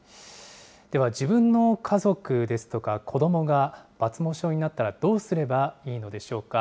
では、自分の家族ですとか子どもが抜毛症になったらどうすればいいのでしょうか。